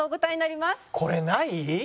これない？